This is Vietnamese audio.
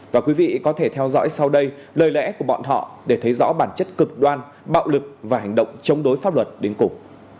và quý vị có thể theo dõi sau đây lời lẽ của bọn họ để thấy rõ bản chất cực đoan bạo lực và hành động chống đối pháp luật đến cùng